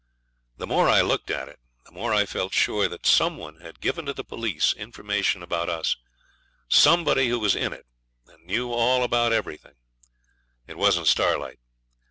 The more I looked at it the more I felt sure that some one had given to the police information about us somebody who was in it and knew all about everything. It wasn't Starlight.